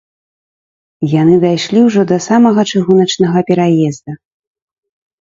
Яны дайшлі ўжо да самага чыгуначнага пераезда.